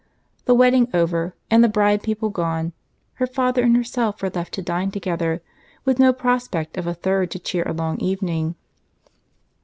The wedding over, and the bride people gone, her father and herself were left to dine together, with no prospect of a third to cheer a long evening.